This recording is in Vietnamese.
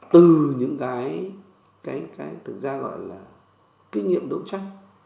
từ những cái thực ra gọi là kinh nghiệm đấu tranh